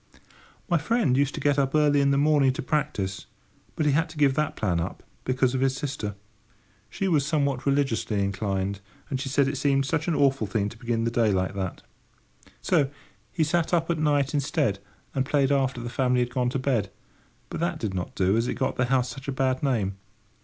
My friend used to get up early in the morning to practise, but he had to give that plan up, because of his sister. She was somewhat religiously inclined, and she said it seemed such an awful thing to begin the day like that. So he sat up at night instead, and played after the family had gone to bed, but that did not do, as it got the house such a bad name.